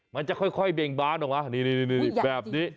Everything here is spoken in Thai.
มันจะค่อยเบ่งบานออกมานี่แบบนี้